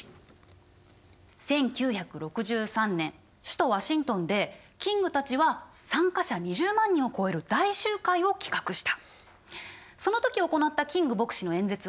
１９６３年首都ワシントンでキングたちは参加者２０万人を超える大集会を企画した。